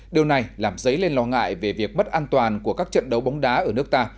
điều này làm dấy lên lo ngại về việc mất an toàn của các trận đấu bóng đá ở nước ta